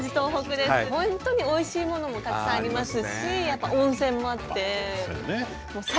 本当においしいものもたくさんありますしやっぱ温泉もあって。